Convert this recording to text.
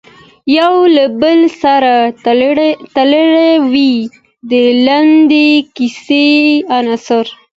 یو له بل سره تړلې وي د لنډې کیسې عناصر.